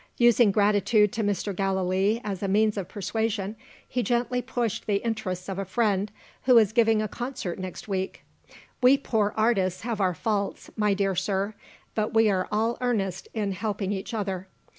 Using gratitude to Mr. Gallilee as a means of persuasion, he gently pushed the interests of a friend who was giving a concert next week. "We poor artists have our faults, my dear sir; but we are all earnest in helping each other.